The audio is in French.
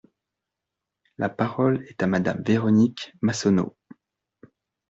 La parole est à Madame Véronique Massonneau.